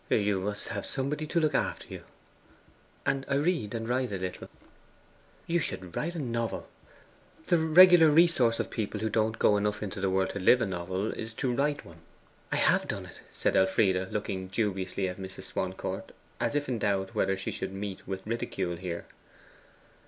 'You must have somebody to look after you.' 'And I read, and write a little.' 'You should write a novel. The regular resource of people who don't go enough into the world to live a novel is to write one.' 'I have done it,' said Elfride, looking dubiously at Mrs. Swancourt, as if in doubt whether she would meet with ridicule there.